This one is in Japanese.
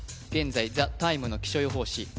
現在「ＴＨＥＴＩＭＥ，」の気象予報士